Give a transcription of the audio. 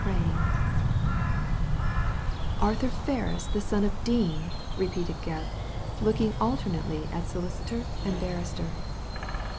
PRAIN "Arthur Ferris the son of Dean I" repeated Gebb, looking alternately at solicitor and barrister.